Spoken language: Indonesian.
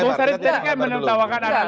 bung sarif tadi kan menertawakan analisis